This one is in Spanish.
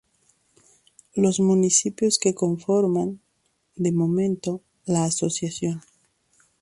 Los municipios que conforman, de momento, la asociación.